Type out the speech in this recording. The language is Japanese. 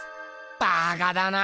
バカだな。